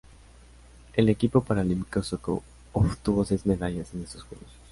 El equipo paralímpico sueco obtuvo seis medallas en estos Juegos.